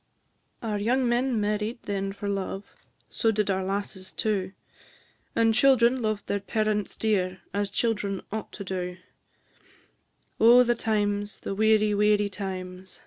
Our young men married then for love, So did our lasses too; And children loved their parents dear, As children ought to do: Oh, the times, the weary, weary times!